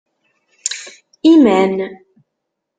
Iman.